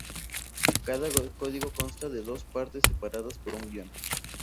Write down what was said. Cada código consta de dos partes, separadas por un guion.